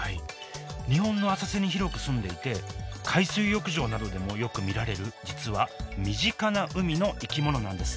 日本の浅瀬に広く住んでいて海水浴場などでもよく見られる実は身近な海の生き物なんです。